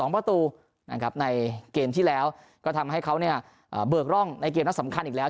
ประตูนะครับในเกมที่แล้วก็ทำให้เขาเบิกร่องในเกมนัดสำคัญอีกแล้ว